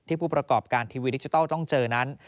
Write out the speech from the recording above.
ผู้ประกอบการทีวีดิจิทัลต้องเจอนั้น